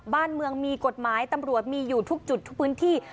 บ้านเมืองมีกฎหมายตำรวจมีอยู่ทุกจุดทุกพื้นที่